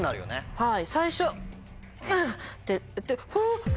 はい。